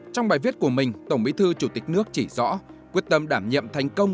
trong bài viết của mình tổng bí thư chủ tịch nước chỉ rõ quyết tâm đảm nhiệm thành công